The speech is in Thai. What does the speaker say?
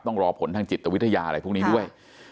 ต้องรอผลทางจิตวิทยาอะไรพวกนี้ด้วย